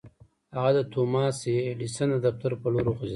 هغه د توماس اې ايډېسن د دفتر پر لور وخوځېد.